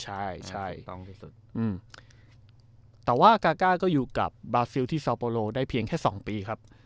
ใช่ใช่ต้องที่สุดแต่ว่ากาก้าก็อยู่กับบราซิลที่ซอโปโลได้เพียงแค่สองปีครับ